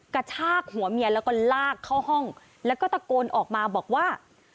กระชากหัวเมียแล้วก็ลากเข้าห้องแล้วก็ตะโกนออกมาบอกว่า